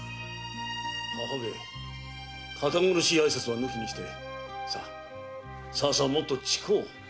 母上堅苦しい挨拶は抜きにしてささもっと近う。